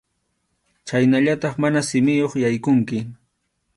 Chhaynallataq mana simiyuq yaykunki.